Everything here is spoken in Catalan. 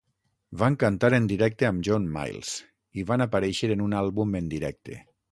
Van cantar en directe amb John Miles i van aparèixer en un àlbum en directe.